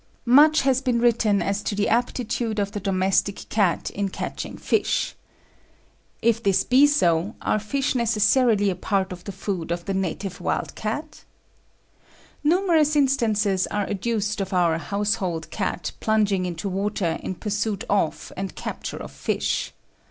Much has been written as to the aptitude of the domestic cat at catching fish. If this be so, are fish necessarily a part of the food of the native wild cat? Numerous instances are adduced of our "household cat" plunging into water in pursuit of and capture of fish.